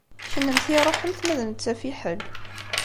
Kennemti ṛuḥemt ma d netta fiḥel.